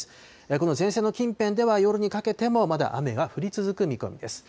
この前線の近辺では夜にかけてもまだ雨が降り続く見込みです。